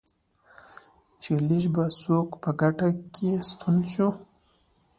چې لږ به څوک په کټ کې ستون شو.